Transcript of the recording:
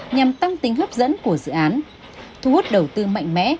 nhằm tăng tính hấp dẫn của dự án thu hút đầu tư mạnh mẽ